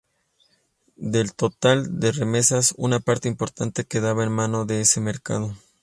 Del total de remesas una parte importante quedaba en mano de ese mercado.